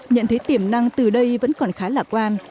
nhận thấy tiềm năng từ đây vẫn còn khá lạc quan